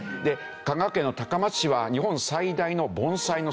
香川県の高松市は日本最大の盆栽の産地なんですね。